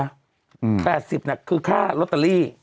๘๐น่ะคือค่าลอตเตอรี่